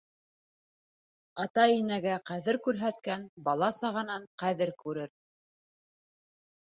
Ата-инәгә ҡәҙер күрһәткән бала-сағанан ҡәҙер күрер.